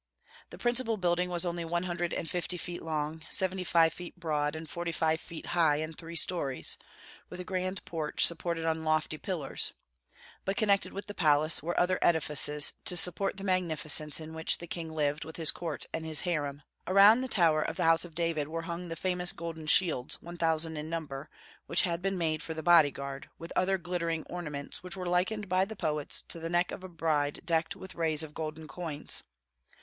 The principal building was only one hundred and fifty feet long, seventy five broad, and forty five feet high, in three stories, with a grand porch supported on lofty pillars; but connected with the palace were other edifices to support the magnificence in which the king lived with his court and his harem. Around the tower of the House of David were hung the famous golden shields, one thousand in number, which had been made for the body guard, with other glittering ornaments, which were likened by the poets to the neck of a bride decked with rays of golden coins.